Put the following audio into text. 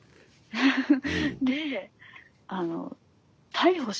フフフッ。